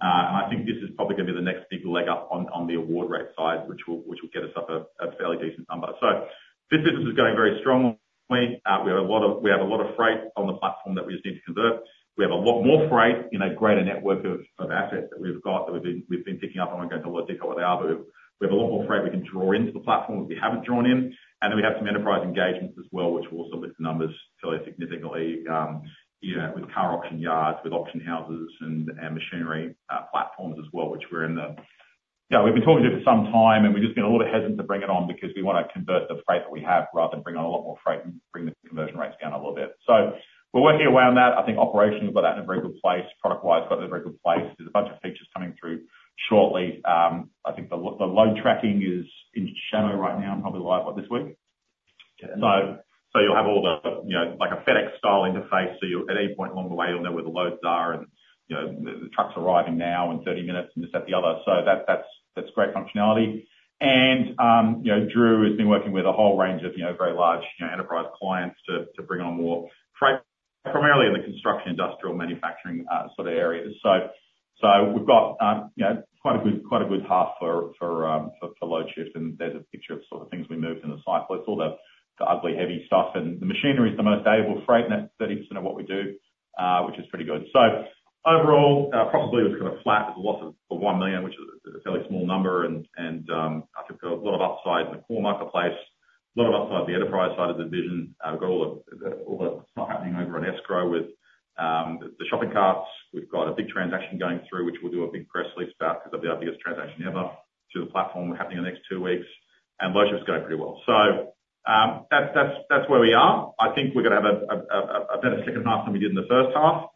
And I think this is probably going to be the next big leg up on the award rate side, which will get us up a fairly decent number. So this business is going very strongly. We have a lot of freight on the platform that we just need to convert. We have a lot more freight in a greater network of assets that we've got that we've been picking up. And we're going to have a lot of deco with our booth. We have a lot more freight we can draw into the platform that we haven't drawn in. And then we have some enterprise engagements as well, which will also lift the numbers fairly significantly with car auction yards, with auction houses, and machinery platforms as well, which we're in the. Yeah, we've been talking to it for some time, and we've just been a little bit hesitant to bring it on because we want to convert the freight that we have rather than bring on a lot more freight and bring the conversion rates down a little bit. So we're working away on that. I think operationally we've got that in a very good place. Product-wise, we've got it in a very good place. There's a bunch of features coming through shortly. I think the load tracking is in shadow right now and probably live this week. So you'll have all the like a FedEx style interface. So at any point along the way, you'll know where the loads are and the trucks arriving now in 30 minutes and this that the other. So that's great functionality. And Drew has been working with a whole range of very large enterprise clients to bring on more freight, primarily in the construction, industrial, manufacturing sort of areas. So we've got quite a good haul for Loadshift. And there's a picture of sort of things we moved in the slide. It's all the ugly heavy stuff. And the machinery is the most valuable freight, and that's 30% of what we do, which is pretty good. So overall, probably it was kind of flat. There's a loss of 1 million, which is a fairly small number. I think a lot of upside in the core marketplace, a lot of upside in the enterprise side of the division. We've got all the stuff happening over in Escrow with the shopping carts. We've got a big transaction going through, which we'll do a big press release about because that'll be our biggest transaction ever to the platform happening in the next two weeks. And Loadshift is going pretty well. So that's where we are. I think we're going to have a better second half than we did in the first half.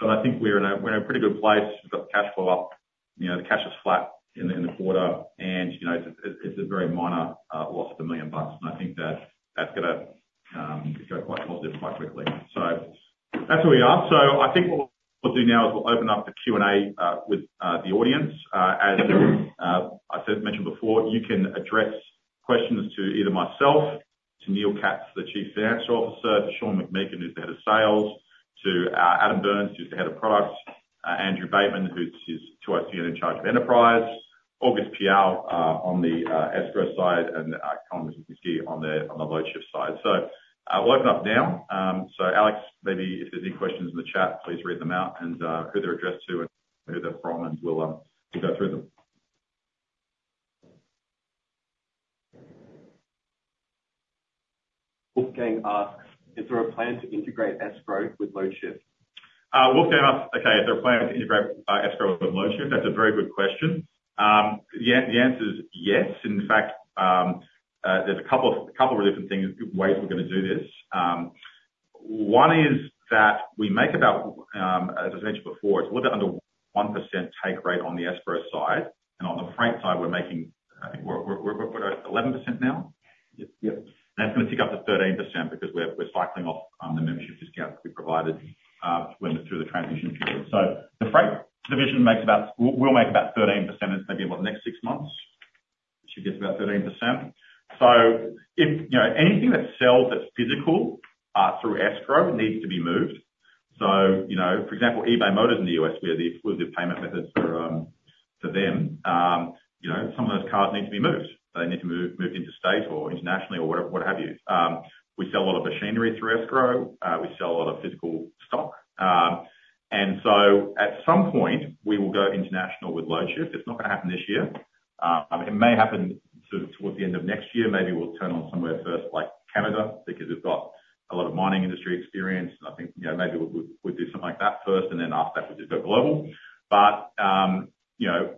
But I think we're in a pretty good place. We've got the cash flow up. The cash is flat in the quarter. And it's a very minor loss of 1 million bucks. And I think that's going to go quite positive quite quickly. So that's where we are. So I think what we'll do now is we'll open up the Q&A with the audience. As I mentioned before, you can address questions to either myself, to Neil Katz, the Chief Financial Officer, to Shaun McMeeken, who's the head of sales, to Adam Byrnes, who's the head of product, Andrew Bateman, who's in charge of enterprise, August Piao on the Escrow side, and Cohen Wisniewski on the Loadshift side. So we'll open up now. So Alex, maybe if there's any questions in the chat, please read them out and who they're addressed to and who they're from, and we'll go through them. Wolfgang asks, "Is there a plan to integrate Escrow with Loadshift? Wolfgang asks, "Okay, is there a plan to integrate Escrow.com with Loadshift?" That's a very good question. The answer is yes. In fact, there's a couple of different ways we're going to do this. One is that we make about, as I mentioned before, it's a little bit under 1% take rate on the Escrow.com side. And on the freight side, we're making 11% now. And that's going to tick up to 13% because we're cycling off the membership discount that we provided through the transition period. So the freight division will make about 13% in maybe about the next six months. Should get to about 13%. So anything that sells that's physical through Escrow.com needs to be moved. So for example, eBay Motors in the U.S., we have the exclusive payment methods for them. Some of those cars need to be moved. They need to be moved interstate or internationally or what have you. We sell a lot of machinery through Escrow. We sell a lot of physical stock. And so at some point, we will go international with load shift. It's not going to happen this year. It may happen towards the end of next year. Maybe we'll turn on somewhere first like Canada because we've got a lot of mining industry experience. And I think maybe we'll do something like that first. And then after that, we'll just go global. But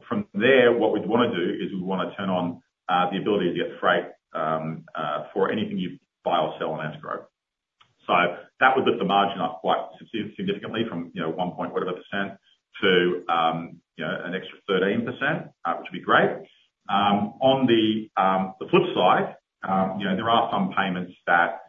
from there, what we'd want to do is we want to turn on the ability to get freight for anything you buy or sell on Escrow. So that would lift the margin up quite significantly from 1.1% to an extra 13%, which would be great. On the flip side, there are some payments that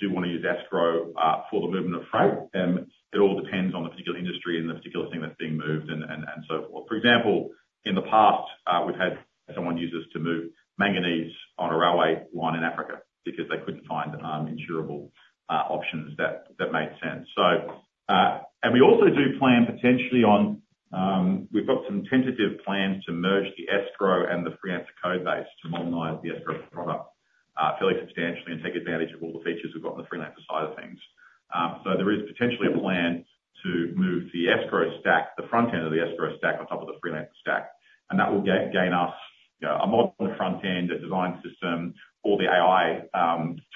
do want to use Escrow for the movement of freight. It all depends on the particular industry and the particular thing that's being moved and so forth. For example, in the past, we've had someone use this to move manganese on a railway line in Africa because they couldn't find insurable options that made sense. And we've got some tentative plans to merge the Escrow and the Freelancer code base to modernize the Escrow product fairly substantially and take advantage of all the features we've got on the Freelancer side of things. There is potentially a plan to move the Escrow stack, the front end of the Escrow stack on top of the Freelancer stack. And that will gain us a modern front end, a design system, all the AI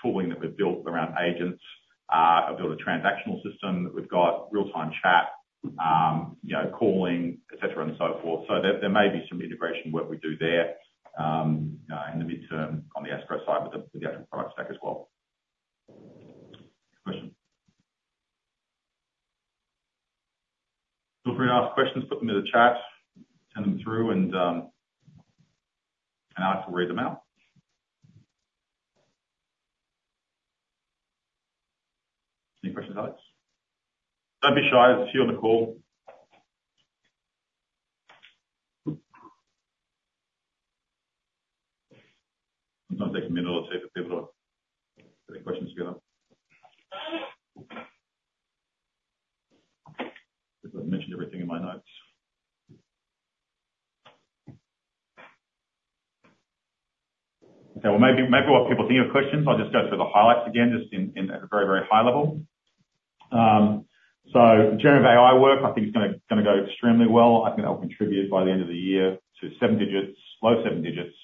tooling that we've built around agents, a bit of a transactional system that we've got, real-time chat, calling, etc., and so forth. So there may be some integration work we do there in the midterm on the Escrow side with the actual product stack as well. Question? Feel free to ask questions. Put them in the chat. Send them through, and I can read them out. Any questions, Alex? Don't be shy. There's a few on the call. Sometimes it takes a minute or two for people to put their questions together. I've mentioned everything in my notes. Okay, well, maybe while people think of questions, I'll just go through the highlights again just at a very, very high level. So the Generative AI work, I think, is going to go extremely well. I think that'll contribute by the end of the year to low seven digits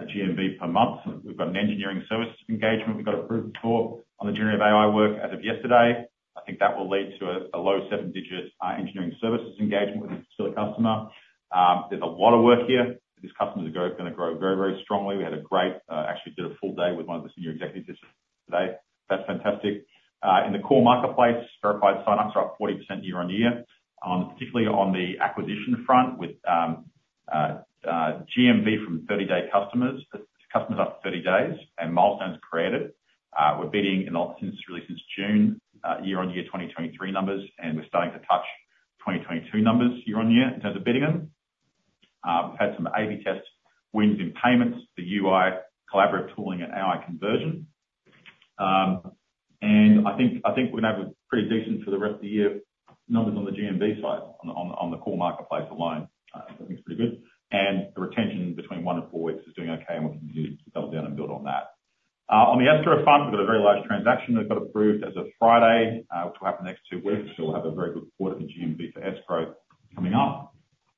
at GMV per month. We've got an engineering service engagement we've got approved for on the Generative AI work as of yesterday. I think that will lead to a low seven digit engineering services engagement with a customer. There's a lot of work here. This customer is going to grow very, very strongly. We had a great actually did a full day with one of the senior executives today. That's fantastic. In the core marketplace, verified sign-ups are up 40% year-over-year, particularly on the acquisition front with GMV from 30-day customers, customers up 30 days and milestones created. We're beating since really since June, year-over-year 2023 numbers, and we're starting to touch 2022 numbers year-over-year in terms of bidding them. We've had some A/B test wins in payments, the UI, collaborative tooling, and AI conversion. I think we're going to have a pretty decent for the rest of the year numbers on the GMV side on the core marketplace alone. That looks pretty good. The retention between one and four weeks is doing okay, and we'll continue to double down and build on that. On the Escrow front, we've got a very large transaction we've got approved as of Friday, which will happen next two weeks. So we'll have a very good quarter for GMV for Escrow coming up.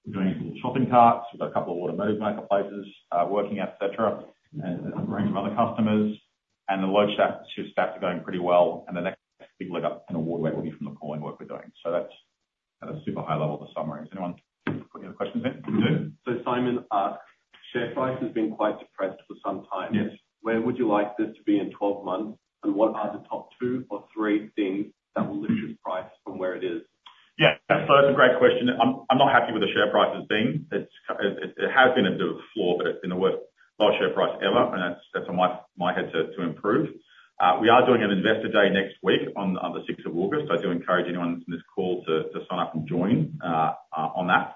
We're doing some shopping carts. We've got a couple of automotive marketplaces working at etc. and a range of other customers. The Loadshift staff are going pretty well. The next big leg up in a big way will be from the calling work we're doing. That's at a super high level of the summary. Does anyone put any other questions in? Simon asks, "Share price has been quite depressed for some time. Where would you like this to be in 12 months? And what are the top two or three things that will lift this price from where it is? Yeah, that's a great question. I'm not happy with the share price as being. It has been a bit of a flaw, but it's been the worst low share price ever. And that's on my head to improve. We are doing an investor day next week on the 6th of August. I do encourage anyone that's on this call to sign up and join on that,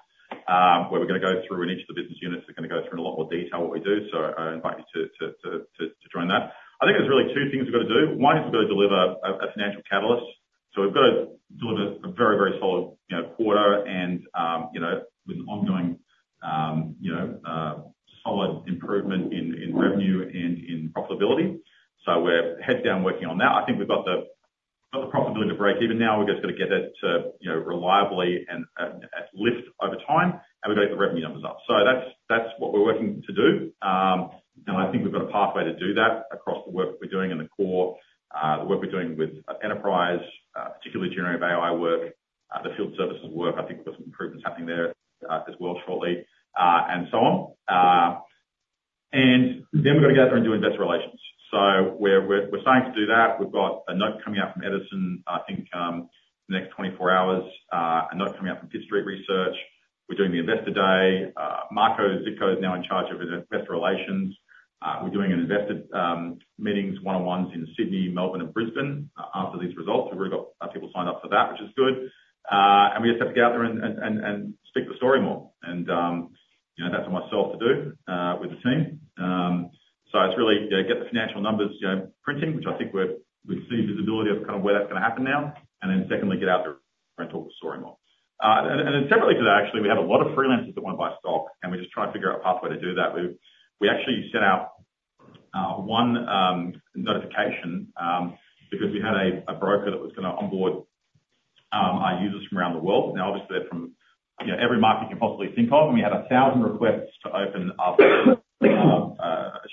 where we're going to go through in each of the business units. We're going to go through in a lot more detail what we do. So I invite you to join that. I think there's really two things we've got to do. One is we've got to deliver a financial catalyst. So we've got to deliver a very, very solid quarter and with an ongoing solid improvement in revenue and in profitability. So we're head down working on that. I think we've got the profitability to break even now. We're just going to get it to reliably and lift over time. And we've got to get the revenue numbers up. So that's what we're working to do. And I think we've got a pathway to do that across the work we're doing in the core, the work we're doing with enterprise, particularly generative AI work, the field services work. I think we've got some improvements happening there as well shortly and so on. And then we've got to get up there and do investor relations. So we're starting to do that. We've got a note coming out from Edison Group, I think, in the next 24 hours, a note coming out from Pitt Street Research. We're doing the investor day. Marko Zitko is now in charge of investor relations. We're doing investor meetings, one-on-ones in Sydney, Melbourne, and Brisbane after these results. We've already got people signed up for that, which is good. We just have to get out there and speak the story more. That's on myself to do with the team. So it's really get the financial numbers printing, which I think we'll see visibility of kind of where that's going to happen now. Then secondly, get out there and talk the story more. Then separately to that, actually, we have a lot of freelancers that want to buy stock. We're just trying to figure out a pathway to do that. We actually sent out one notification because we had a broker that was going to onboard our users from around the world. Now, obviously, they're from every market you can possibly think of. We had 1,000 requests to open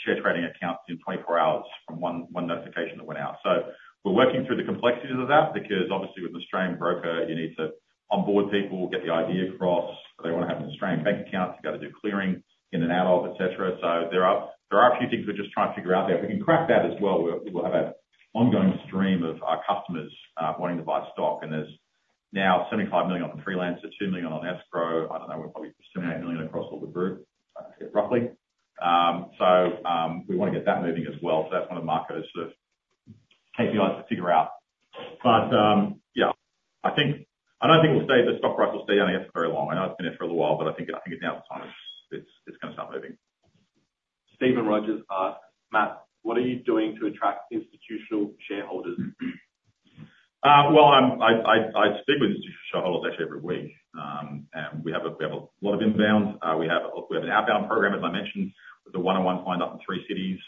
share trading accounts in 24 hours from one notification that went out. So we're working through the complexities of that because, obviously, with an Australian broker, you need to onboard people, get the idea across. They want to have an Australian bank account to be able to do clearing in and out of, etc. So there are a few things we're just trying to figure out there. If we can crack that as well, we'll have an ongoing stream of our customers wanting to buy stock. And there's now 75 million on Freelancer, 2 million on Escrow.com. I don't know. We're probably 78 million across all the group, roughly. So we want to get that moving as well. So that's one of Marko's sort of KPIs to figure out. But yeah, I don't think the stock price will stay down here for very long. I know it's been here for a little while, but I think now is the time it's going to start moving. Stephen Rogers asks, "Matt, what are you doing to attract institutional shareholders? Well, I speak with institutional shareholders actually every week. We have a lot of inbound. We have an outbound program, as I mentioned, with a 1-on-1 signed up in 3 cities.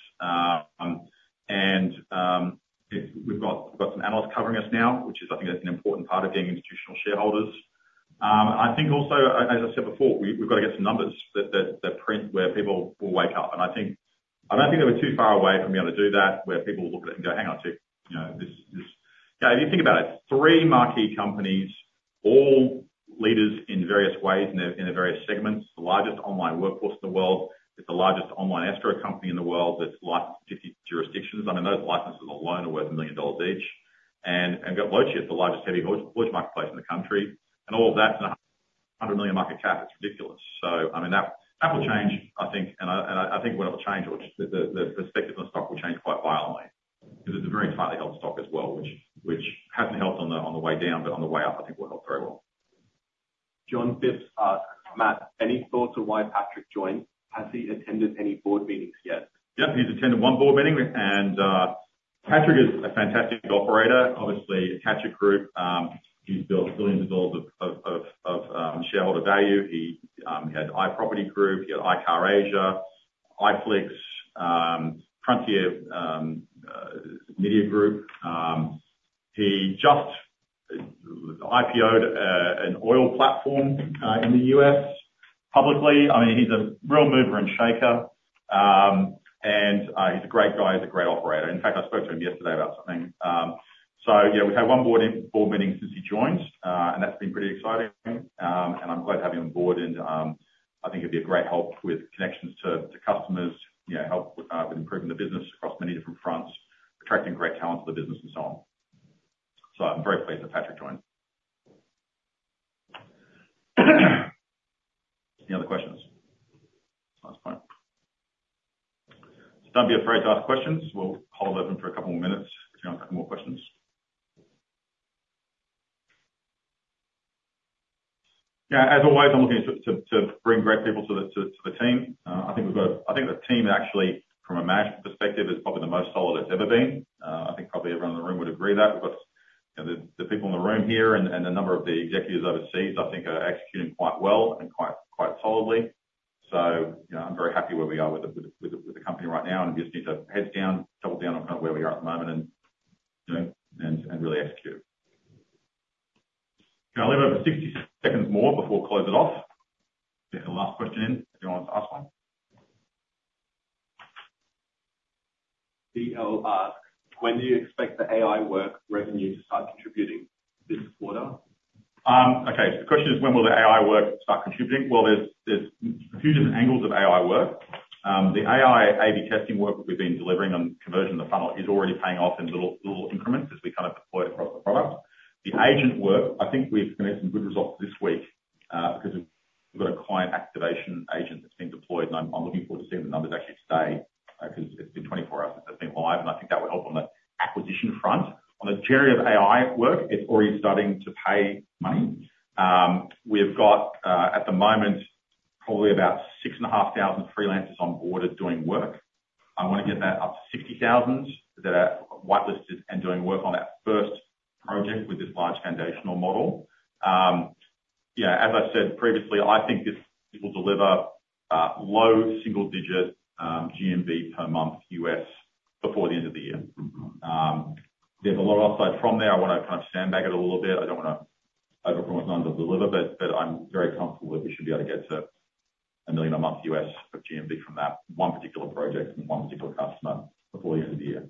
We've got some analysts covering us now, which is, I think, an important part of getting institutional shareholders. I think also, as I said before, we've got to get some numbers that print where people will wake up. I don't think that we're too far away from being able to do that, where people will look at it and go, "Hang on a sec." Yeah, if you think about it, 3 marquee companies, all leaders in various ways in their various segments. It's the largest online workforce in the world. It's the largest online Escrow company in the world. It's licensed in 50 jurisdictions. I mean, those licenses alone are worth $1 million each. And we've got Loadshift, the largest heavy haulage marketplace in the country. And all of that's a 100 million market cap. It's ridiculous. So I mean, that will change, I think. And I think when it will change, the perspective on stock will change quite violently because it's a very tightly held stock as well, which hasn't helped on the way down, but on the way up, I think will help very well. John Phipps asks, "Matt, any thoughts on why Patrick joined? Has he attended any board meetings yet? Yep, he's attended one board meeting. Patrick is a fantastic operator, obviously, a Catcha Group. He's built billions of dollars of shareholder value. He had iProperty Group. He had iCar Asia, iflix, Frontier Digital Ventures. He just IPO'd an oil platform in the U.S. publicly. I mean, he's a real mover and shaker. He's a great guy. He's a great operator. In fact, I spoke to him yesterday about something. Yeah, we've had one board meeting since he joined. That's been pretty exciting. I'm glad to have him on board. I think it'd be a great help with connections to customers, help with improving the business across many different fronts, attracting great talent to the business, and so on. I'm very pleased that Patrick joined. Any other questions? Last point. Don't be afraid to ask questions. We'll hold open for a couple more minutes if you want a couple more questions. Yeah, as always, I'm looking to bring great people to the team. I think the team actually, from a management perspective, is probably the most solid it's ever been. I think probably everyone in the room would agree that. We've got the people in the room here and a number of the executives overseas, I think, are executing quite well and quite solidly. So I'm very happy where we are with the company right now. And we just need to head down, double down on kind of where we are at the moment and really execute. I'll leave over 60 seconds more before we close it off. Get the last question in if you want to ask one. DL asks, "When do you expect the AI work revenue to start contributing this quarter? Okay, so the question is, when will the AI work start contributing? Well, there's a few different angles of AI work. The AI A/B testing work that we've been delivering on conversion of the funnel is already paying off in little increments as we kind of deploy it across the product. The agent work, I think we've made some good results this week because we've got a client activation agent that's been deployed. And I'm looking forward to seeing the numbers actually stay because it's been 24 hours since it's been live. And I think that will help on the acquisition front. On the Generative AI work, it's already starting to pay money. We've got, at the moment, probably about 6,500 freelancers on board doing work. I want to get that up to 60,000 that are whitelisted and doing work on that first project with this large foundational model. Yeah, as I said previously, I think this will deliver low single-digit GMV per month US before the end of the year. There's a lot of upside from there. I want to kind of sandbag it a little bit. I don't want to overpromise and underdeliver, but I'm very comfortable that we should be able to get to $1 million a month US of GMV from that one particular project and one particular customer before the end of the year.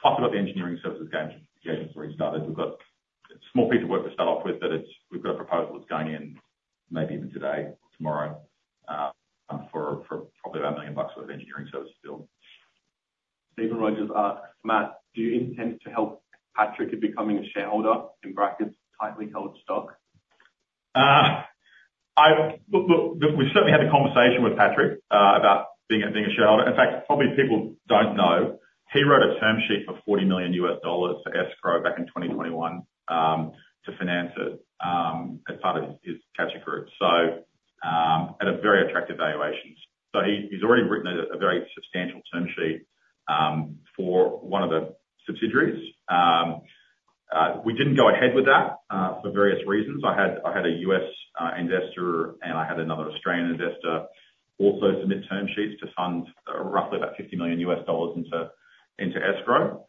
Talking about the engineering services gains we've already started, we've got a small piece of work to start off with, but we've got a proposal that's going in maybe even today or tomorrow for probably about $1 million worth of engineering services built. Stephen Rogers asks, "Matt, do you intend to help Patrick in becoming a shareholder?" [Tightly held stock.] Look, we certainly had a conversation with Patrick about being a shareholder. In fact, probably people don't know. He wrote a term sheet for $40 million for Escrow back in 2021 to finance it as part of his Catcha Group. So at a very attractive valuation. So he's already written a very substantial term sheet for one of the subsidiaries. We didn't go ahead with that for various reasons. I had a U.S. investor and I had another Australian investor also submit term sheets to fund roughly about $50 million into Escrow.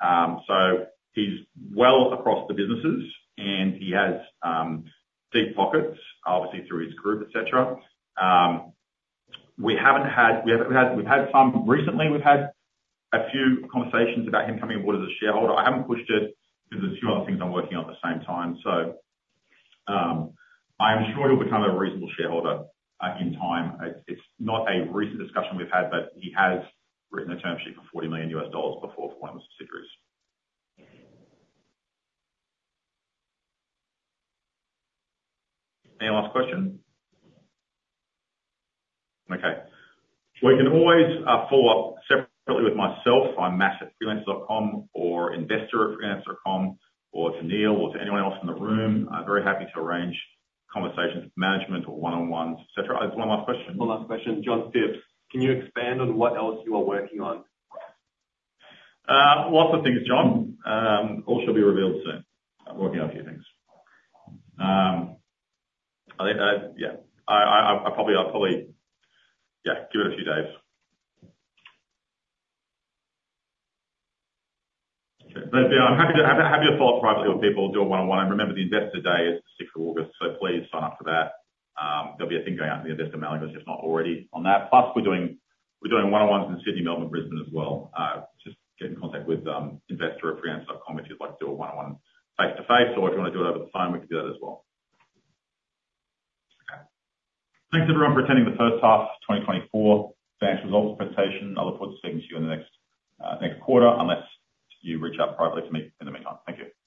So he's well across the businesses and he has deep pockets, obviously, through his group, etc. We've had some recently. We've had a few conversations about him coming on board as a shareholder. I haven't pushed it because there's a few other things I'm working on at the same time. So I'm sure he'll become a reasonable shareholder in time. It's not a recent discussion we've had, but he has written a term sheet for $40 million before for one of the subsidiaries. Any last question? Okay. We can always follow up separately with myself on matt@freelancer.com or investor@freelancer.com or to Neil or to anyone else in the room. I'm very happy to arrange conversations, management or one-on-ones, etc. That's one last question. One last question. John Phipps, can you expand on what else you are working on? Lots of things, John. All shall be revealed soon. I'm working on a few things. Yeah, I'll probably give it a few days. Okay. I'm happy to have your thoughts privately with people, do a one-on-one. And remember, the investor day is the 6th of August. So please sign up for that. There'll be a thing going out to the investor mailing list if not already on that. Plus, we're doing one-on-ones in Sydney, Melbourne, Brisbane as well. Just get in contact with investor@freelancer.com if you'd like to do a one-on-one face-to-face. Or if you want to do it over the phone, we can do that as well. Okay. Thanks, everyone, for attending the first half of 2024 financial results presentation. I look forward to speaking to you in the next quarter unless you reach out privately to me in the meantime. Thank you.